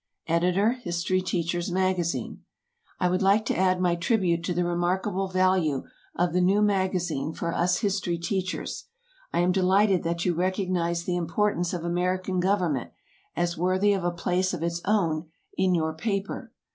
Editor HISTORY TEACHER'S MAGAZINE. I would like to add my tribute to the remarkable value of the new MAGAZINE for us history teachers. I am delighted that you recognize the importance of American government as worthy of a place of its own in your paper.